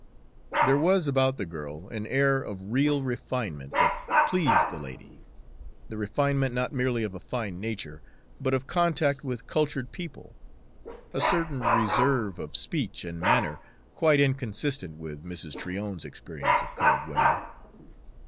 There was about the girl an air of real refinement that pleased the lady, the refinement not merely of a fine nature, but of contact with cultured people; a certain reserve of speech and manner quite inconsistent with Mrs. Tryon's experience of colored women.